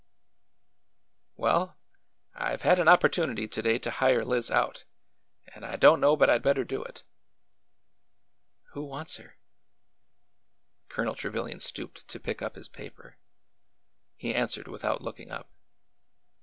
Well, — I 've had an opportunity to day to hire Liz out, and I don't know but I 'd better do it." " Who wants her?" Colonel Trevilian stooped to pick up his paper. He answered without looking up.